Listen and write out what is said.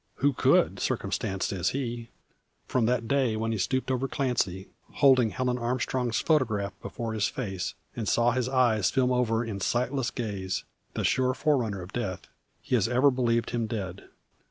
Who could, circumstanced as he? From that day when he stooped over Clancy, holding Helen Armstrong's photograph before his face, and saw his eyes film over in sightless gaze, the sure forerunner of death, he has ever believed him dead.